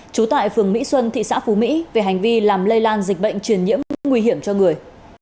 trú tại phường mỹ xuân thị xã phú mỹ về hành vi làm lây lan dịch bệnh truyền nhiễm nguy hiểm cho người